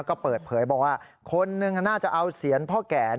ก็เปิดเผยบอกว่าคนหนึ่งน่าจะเอาเสียงพ่อแก่